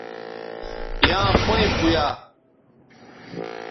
یاں پیئں پویا